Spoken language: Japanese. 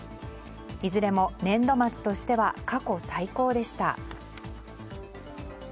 いずれも年度末としては過去最高でした。